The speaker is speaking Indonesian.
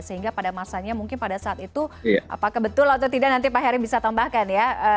sehingga pada masanya mungkin pada saat itu apakah betul atau tidak nanti pak heri bisa tambahkan ya